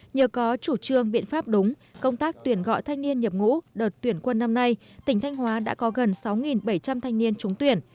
nhờ có chủ trương biện pháp đúng công tác tuyển gọi thanh niên nhập ngũ đợt tuyển quân năm nay tỉnh thanh hóa đã có gần sáu bảy trăm linh thanh niên trúng tuyển